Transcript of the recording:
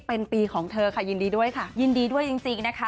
เป็นปีของเธอค่ะยินดีด้วยค่ะยินดีด้วยจริงนะคะ